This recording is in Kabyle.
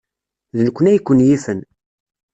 D nekkni ay ken-yifen.